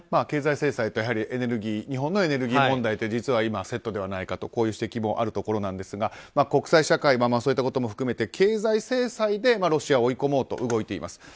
経済制裁と日本のエネルギー問題って実はセットではないかという指摘もあるところなんですが国際社会、そういったことも含め経済制裁でロシアを追い込もうと動いています。